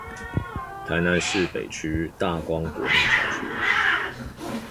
臺南市北區大光國民小學